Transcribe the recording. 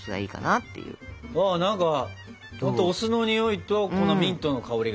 あ何かお酢のにおいとこのミントの香りが。